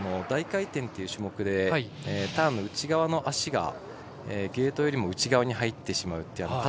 大回転という種目でターンの内側の足がゲートよりも内側に入ってしまうっていう。